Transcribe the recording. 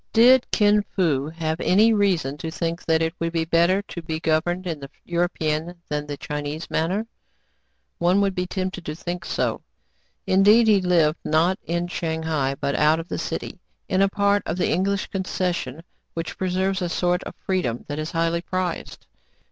Did Kin Fo have any reason to think that it would be better to be governed in the European than in the Chinese manner.? One would be tempted to think so. Indeed, he lived, not in Shang hai, but out of the city, in a part of the English concession, which preserves a sort of freedom that is highly prized.